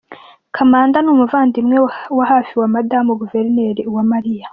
Kamanda ni umuvandimwe wa hafi wa madamu Guverineri Uwamariya.